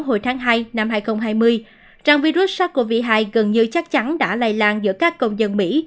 hồi tháng hai năm hai nghìn hai mươi rằng virus sars cov hai gần như chắc chắn đã lây lan giữa các công trình